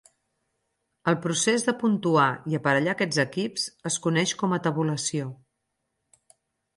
El procés de puntuar i aparellar aquests equips es coneix com a "tabulació".